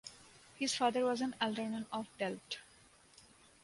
His father was an alderman of Delft.